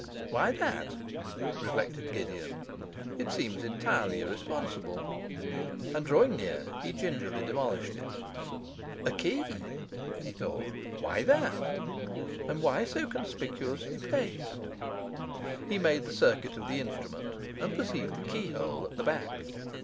'Why that?' reflected Gideon. 'It seems entirely irresponsible.' And drawing near, he gingerly demolished it. 'A key,' he thought. 'Why that? And why so conspicuously placed?' He made the circuit of the instrument, and perceived the keyhole at the back.